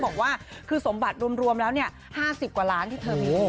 บอกว่าคือสมบัติรวมแล้ว๕๐กว่าล้านที่เธอมีอยู่